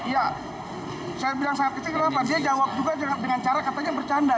ya saya bilang sangat kecil kenapa dia jawab juga dengan cara katanya bercanda